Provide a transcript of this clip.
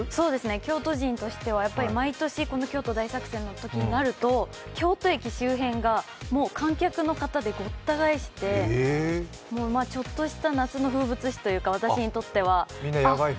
京都人としては毎年、この京都大作戦のときになると京都駅周辺が、もう観客の方でごった返して、ちょっとした夏の風物詩というか、私にとっては。